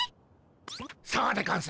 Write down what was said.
そうでゴンス。